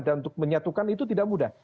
dan untuk menyatukan itu tidak mudah